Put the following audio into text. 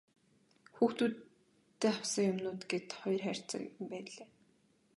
Хүүхдүүддээ авсан юмнууд гээд хоёр хайрцаг юм байнлээ.